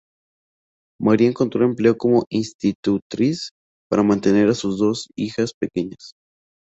María encontró empleo como institutriz para mantener a sus dos pequeñas hijas.